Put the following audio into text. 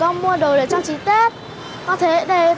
con thấy đây rất là nhiều đồ phong phú và đẹp